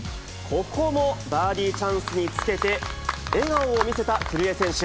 ここもバーディーチャンスにつけて、笑顔を見せた古江選手。